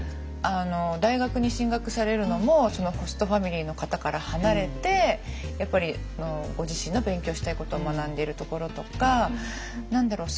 大学に進学されるのもそのホストファミリーの方から離れてやっぱりご自身の勉強したいことを学んでるところとか何だろう